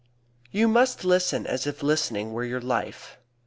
"You must listen as if listening were your life."